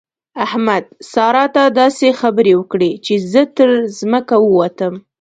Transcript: احمد؛ سارا ته داسې خبرې وکړې چې زه تر ځمکه ووتم.